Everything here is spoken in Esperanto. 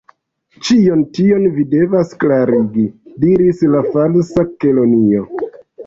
"Ĉion tion vi devas klarigi," diris la Falsa Kelonio.